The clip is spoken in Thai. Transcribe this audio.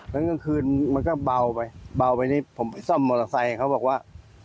แล้วกลางคืนมันก็เบาไปเบาไปนี่ผมไปซ่อมมอเตอร์ไซค์เขาบอกว่า